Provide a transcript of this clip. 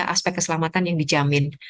aspek keselamatan yang dijamin